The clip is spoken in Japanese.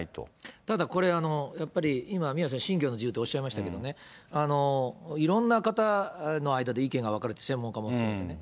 ただこれ、やっぱり、宮根さん、今、信教の自由っておっしゃいましたけどね、いろんな方の間で意見が分かれて、専門家も言ってますよね。